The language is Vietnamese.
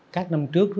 các năm trước